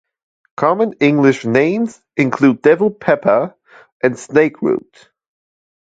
Common English names include devil pepper and snakeroot.